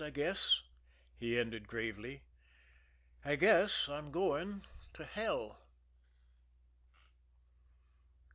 I guess" he ended gravely "I guess I'm going to hell."